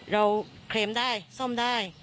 เคลมได้ซ่อมได้